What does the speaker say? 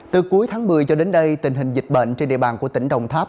từ cuối tháng một mươi cho đến đây tình hình dịch bệnh trên địa bàn của tỉnh đồng tháp